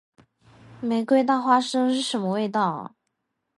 玫瑰大花生是什么味道？